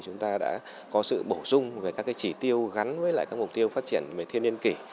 chúng ta đã có sự bổ sung về các chỉ tiêu gắn với lại các mục tiêu phát triển thiên niên kỷ